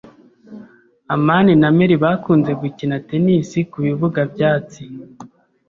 amani na Mary bakunze gukina tennis ku bibuga byatsi.